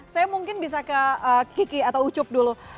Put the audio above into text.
saya mungkin bisa ke kiki atau ucup dulu